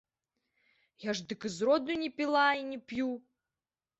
Я ж дык і зроду не піла і не п'ю.